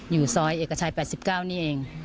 อยู่ซอยเอกชัย๘๙นี่เอง